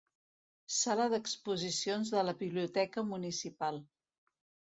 Sala d'exposicions de la Biblioteca municipal.